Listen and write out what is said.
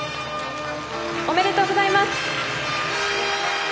おめでとうございます。